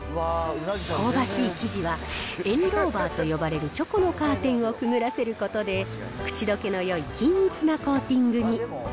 香ばしい生地は、エンローバーと呼ばれるチョコのカーテンをくぐらせることで、口どけのよい均一なコーティングに。